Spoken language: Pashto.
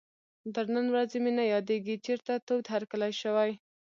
تر نن ورځې مې نه یادېږي چېرته تود هرکلی شوی.